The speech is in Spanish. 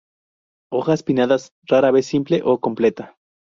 Hojas pinnadas, rara vez simple o completa.